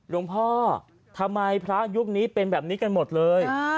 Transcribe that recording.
หลวงพ่อทำไมพระยุคนี้เป็นแบบนี้กันหมดเลย